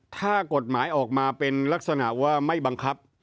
ถ้ากฎหมายออกมาเป็นลักษณะว่าไม่บังคับ